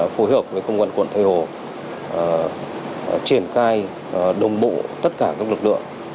phối hợp với công an quận tây hồ triển khai đồng bộ tất cả các lực lượng